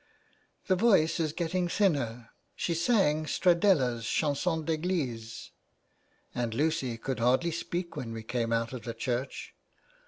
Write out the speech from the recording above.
" The voice is getting thinner. She sang Stradella's Chanson D'Eglise, and Lucy could hardly speak when we came out of church.